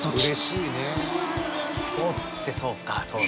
スポーツってそうか。